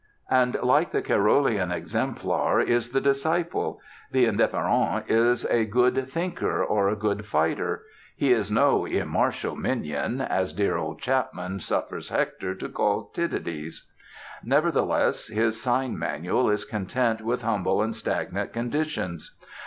And like the Carolian exemplar is the disciple. The indifférent is a good thinker, or a good fighter. He is no "immartial minion," as dear old Chapman suffers Hector to call Tydides. Nevertheless, his sign manual is content with humble and stagnant conditions.